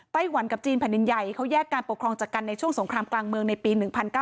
หวันกับจีนแผ่นดินใหญ่เขาแยกการปกครองจากกันในช่วงสงครามกลางเมืองในปี๑๙๙